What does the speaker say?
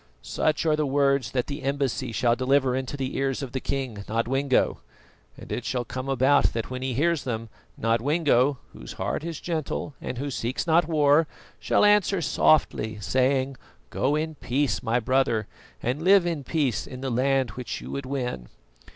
"Such are the words that the embassy shall deliver into the ears of the king, Nodwengo, and it shall come about that when he hears them, Nodwengo, whose heart is gentle and who seeks not war, shall answer softly, saying: "'Go in peace, my brother, and live in peace in that land which you would win.